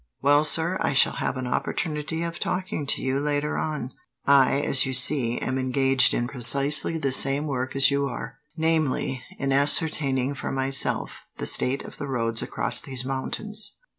"Well, sir, I shall have an opportunity of talking to you, later on. I, as you see, am engaged in precisely the same work as you are; namely, in ascertaining, for myself, the state of the roads across these mountains."